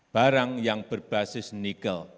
barang yang berbasis nikel